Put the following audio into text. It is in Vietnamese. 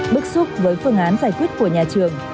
bức xúc với phương án giải quyết của nhà trường